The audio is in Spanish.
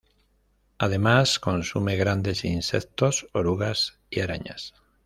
Además consume grandes insectos, orugas y arañas.